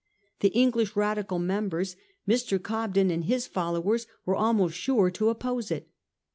The English Radical members, Mr. Cobden and his fol lowers, were almost sure to oppose it.